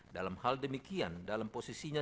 dalam hal demikian dalam posisinya